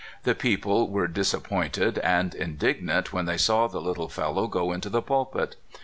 The people were disappointed and indignant when they saw the little fellow go into the pulpit.